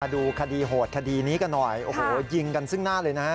ดูคดีโหดคดีนี้กันหน่อยโอ้โหยิงกันซึ่งหน้าเลยนะฮะ